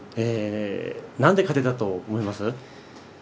何で勝てたと思います。